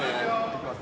いきます